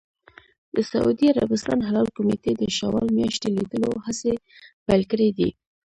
د سعودي عربستان هلال کمېټې د شوال میاشتې لیدلو هڅې پیل کړې دي.